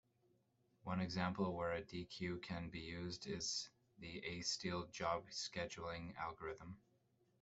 One example where a deque can be used is the "A-Steal" job scheduling algorithm.